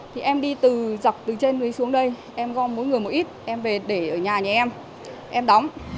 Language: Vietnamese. thì em đi từ dọc từ trên núi xuống đây em gom mỗi người một ít em về để ở nhà nhà em đóng